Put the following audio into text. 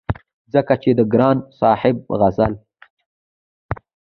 ځکه چې د ګران صاحب غزل